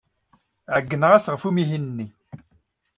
Ɛeyyneɣ-as ɣef umihi-nni.